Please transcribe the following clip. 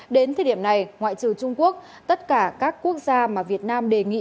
đến thời điểm này ngoại trừ trung quốc tất cả các quốc gia mà việt nam đề nghị